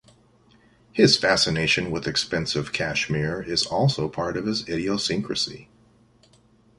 His fascination with expensive cashmere is also part of his idiosyncrasy.